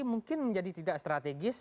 mungkin menjadi tidak strategis